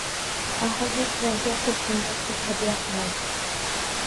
ئاخىردا سىلەرگە بىر جۈملە سۆز ھەدىيە قىلاي!